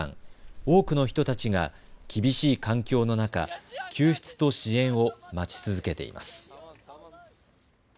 多くの人たちが厳しい環境の中、救出と支援を待ち続けています。